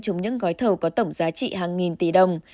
trong những gói thầu có tổng giá trị hàng nghìn tỷ đồng